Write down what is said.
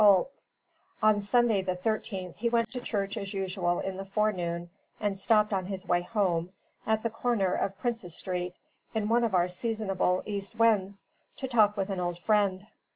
On Sunday the 13th, he went to church as usual in the forenoon, and stopped on his way home, at the corner of Princes Street, in one of our seasonable east winds, to talk with an old friend.